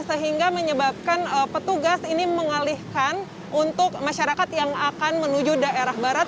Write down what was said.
sehingga menyebabkan petugas ini mengalihkan untuk masyarakat yang akan menuju daerah barat